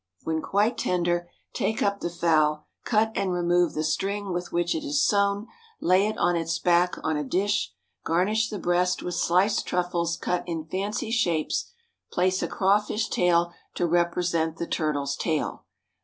When quite tender take up the fowl, cut and remove the string with which it is sewn, lay it on its back on a dish, garnish the breast with sliced truffles cut in fancy shapes, place a crawfish tail to represent the turtle's tail.